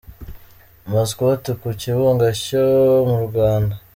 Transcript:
Mascots ku kibuga cyo mu Rwanda.